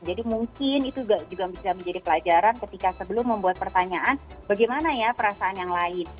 jadi mungkin itu juga bisa menjadi pelajaran ketika sebelum membuat pertanyaan bagaimana ya perasaan yang lain